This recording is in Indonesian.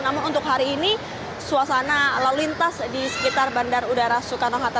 namun untuk hari ini suasana lalu lintas di sekitar bandara soekarno hatta